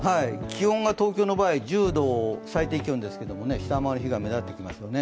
気温が東京の場合、最低気温、１０度を下回る日が目立ってきます。